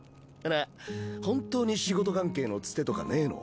本当に仕事関係のツテとかねぇの？